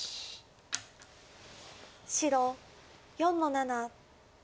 白４の七。